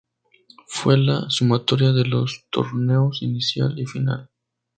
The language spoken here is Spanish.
Fue la sumatoria de los torneos Inicial y Final.